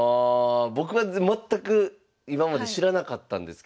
僕は全く今まで知らなかったんですけど。